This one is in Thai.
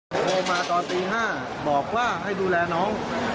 โทรมาตอนตี๕บอกว่าให้ดูแลน้อง